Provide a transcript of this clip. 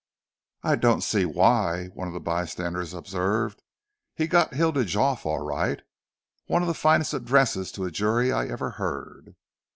"I don't see why," one of the bystanders observed. "He got Hilditch off all right. One of the finest addresses to a jury I ever heard."